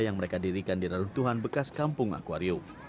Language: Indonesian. yang mereka dirikan di reruntuhan bekas kampung akwarium